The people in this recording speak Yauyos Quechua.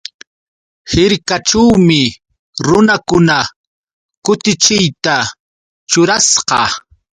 Hirkaćhuumi runakuna kutichiyta ćhurasqa.